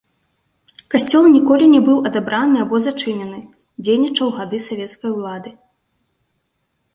Касцёл ніколі не быў адабраны або зачынены, дзейнічаў у гады савецкай улады.